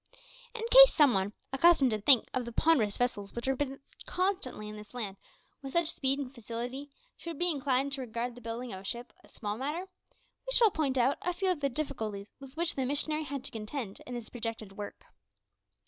In case some one, accustomed to think of the ponderous vessels which are built constantly in this land with such speed and facility, should be inclined to regard the building of a ship a small matter, we shall point out a few of the difficulties with which the missionary had to contend in this projected work.